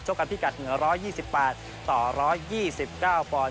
ชกกันที่กัดเหนือ๑๒๘ต่อ๑๒๙ปอน